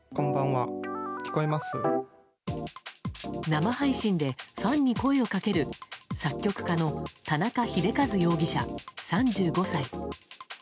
生配信でファンに声をかける作曲家の田中秀和容疑者、３５歳。